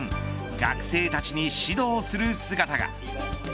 学生たちに指導する姿が。